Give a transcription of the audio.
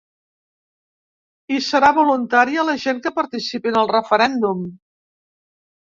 I serà voluntària la gent que participi en el referèndum.